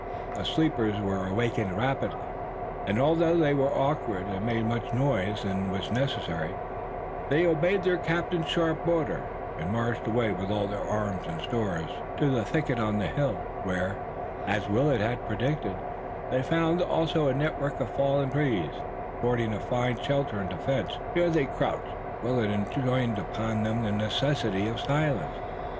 The sleepers were awakened rapidly, and, although they were awkward and made much more noise than was necessary, they obeyed their captain's sharp order, and marched away with all their arms and stores to the thicket on the hill, where, as Willet had predicted, they found also a network of fallen trees, affording a fine shelter and defense. Here they crouched and Willet enjoined upon them the necessity of silence.